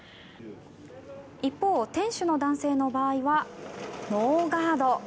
一方、店主の男性の場合はノーガード。